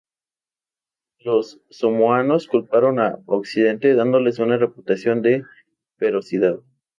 Los Samoanos culparon a Occidente, dándoles una reputación de ferocidad.